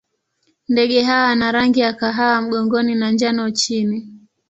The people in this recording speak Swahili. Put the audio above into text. Ndege hawa wana rangi ya kahawa mgongoni na njano chini.